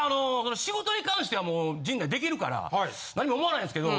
仕事に関してはもう陣内できるから何も思わないんですけど。